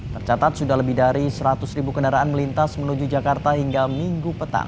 tercatat sudah lebih dari seratus ribu kendaraan melintas menuju jakarta hingga minggu petang